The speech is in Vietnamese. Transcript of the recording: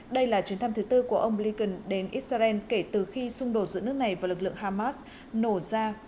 đây là chuyến thăm thứ tư của ông blinken đến israel kể từ khi xung đột giữa nước này và lực lượng hamas nổ ra vào ngày bảy tháng một mươi vừa qua